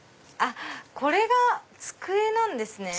これが机なんですね！